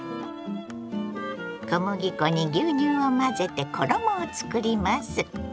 小麦粉に牛乳を混ぜて衣を作ります。